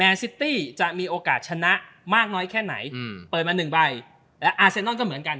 ซิตี้จะมีโอกาสชนะมากน้อยแค่ไหนอืมเปิดมาหนึ่งใบและอาเซนอนก็เหมือนกัน